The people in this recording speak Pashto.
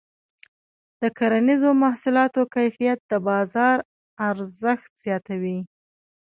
د کرنیزو محصولاتو کیفیت د بازار ارزښت زیاتوي.